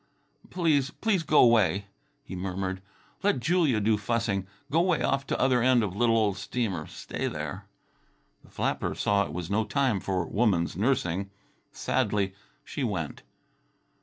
"Please, please go 'way," he murmured. "Let Julia do fussing. Go way off to other end of little old steamer; stay there." The flapper saw it was no time for woman's nursing. Sadly she went.